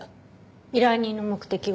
依頼人の目的は？